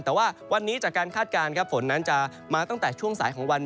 แต่ว่าวันนี้จากการคาดการณ์ครับฝนนั้นจะมาตั้งแต่ช่วงสายของวันนี้